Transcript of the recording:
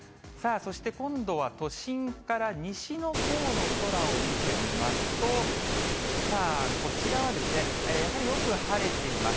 そして今度は都心から西のほうの空を見てみますと、こちらはですね、やはりよく晴れています。